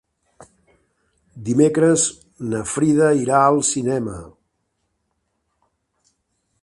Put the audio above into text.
Dimecres na Frida irà al cinema.